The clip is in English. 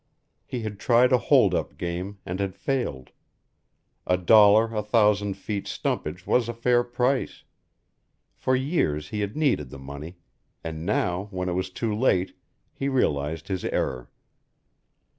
He had tried a hold up game and had failed; a dollar a thousand feet stumpage was a fair price; for years he had needed the money; and now, when it was too late, he realized his error.